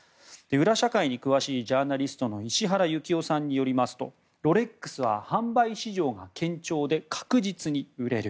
裏社会に詳しいジャーナリストの石原行雄さんによりますとロレックスは販売市場が堅調で確実に売れる。